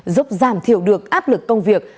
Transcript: giúp giảm thiểu được áp lực công việc